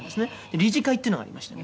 「理事会っていうのがありましてね